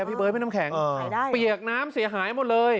เบ๊ยไม่น้ำแข็งเปรียกซ่าก็จะมีน้ำสีหายหมดเลย